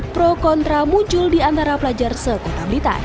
pro kontra muncul di antara pelajar sekota blitar